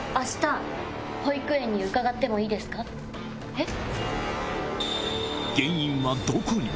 えっ？